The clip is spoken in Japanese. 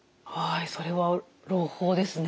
それは朗報ですね。